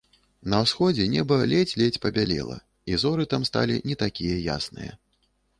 На ўсходзе неба ледзь-ледзь пабялела, і зоры там сталі не такія ясныя.